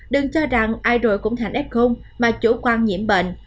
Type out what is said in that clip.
đừng cho rằng ai rồi cũng thành f mà chủ quan nhiễm bệnh